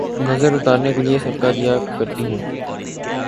نظر اتارنے کیلئے صدقہ دیا کرتی ہوں